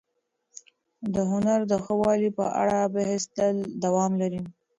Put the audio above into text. د هنر د ښه والي په اړه بحث تل دوام لري.